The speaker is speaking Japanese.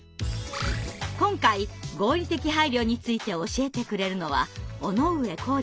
今回合理的配慮について教えてくれるのは尾上浩二さん。